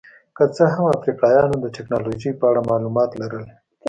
که څه هم افریقایانو د ټکنالوژۍ په اړه معلومات لرل.